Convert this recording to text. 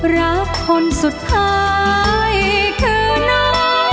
รับคนสุดท้ายคือโนโนโนโน